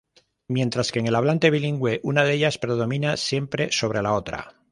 Mientras que en el hablante bilingüe una de ellas predomina siempre sobre la otra.